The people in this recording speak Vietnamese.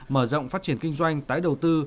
mở rộng phát triển kinh doanh tái đầu tư